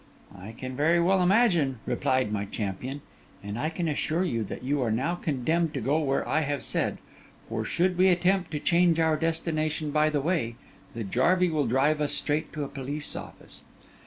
'I can very well imagine,' replied my champion; 'and I can assure you that you are now condemned to go where I have said; for, should we attempt to change our destination by the way, the jarvey will drive us straight to a police office.